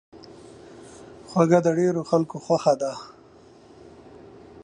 خوږه د ډېرو خلکو خوښه ده.